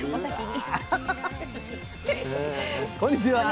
こんにちは。